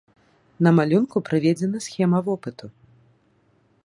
На малюнку прыведзена схема вопыту.